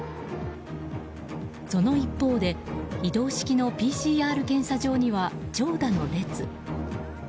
その一方で、移動式のＰＣＲ検査場には長蛇の列。